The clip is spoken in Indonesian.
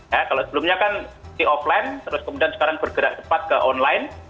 ya kalau sebelumnya kan di offline terus kemudian sekarang bergerak cepat ke online